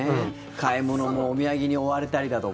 買い物もお土産に追われたりだとか。